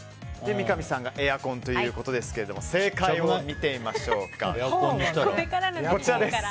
三上さんがエアコンということですが正解を見てみましょう。